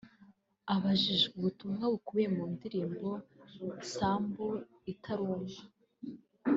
Abajijwe ubutumwa bukubiye mu ndirimbo ‘Sambu Italumba’